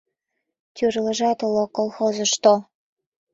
Тӱрлыжат уло колхозышто...